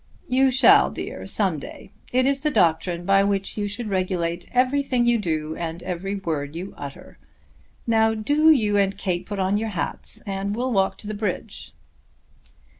"You shall, dear, some day. It is the doctrine by which you should regulate everything you do and every word you utter. Now do you and Kate put on your hats and we'll walk to the bridge."